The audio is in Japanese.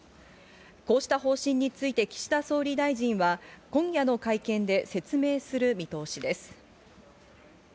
こうした方針について岸田総理大臣は今夜の会見で説明する見通しです。